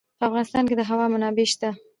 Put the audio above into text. په افغانستان کې د هوا منابع شته.